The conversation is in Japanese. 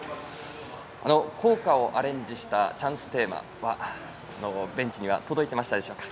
校歌をアレンジしたチャンステーマはベンチには届いていましたか。